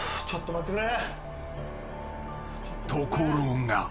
ちょっと待って。